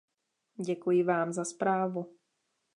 Děkuji vám za zprávu.